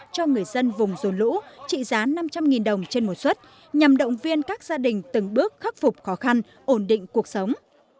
cho người dân vùng dồn lũ trị giá năm trăm linh đồng trên một xuất nhằm động viên các gia đình từng bước khắc phục khó khăn ổn định cuộc sống